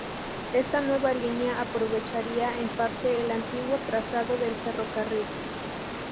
Esta nueva línea aprovecharía en parte el antiguo trazado del ferrocarril.